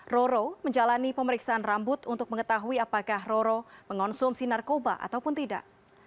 roro menjalani pemeriksaan rambut untuk mengetahui apakah roro mengonsumsi narkoba ataupun tidak